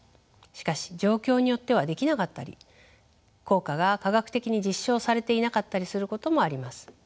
しかし状況によってはできなかったり効果が科学的に実証されていなかったりすることもあります。